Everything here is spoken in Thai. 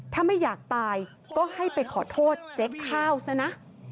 ถ้าไม่อยากตายก็ให้ไปขอโทษเจ๊ข้าวซะนะ